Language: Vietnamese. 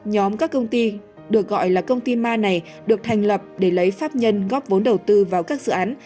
nhóm các công ty được gọi là công ty ma này được thành lập để lấy pháp nhân góp vốn đầu tư vào các dự án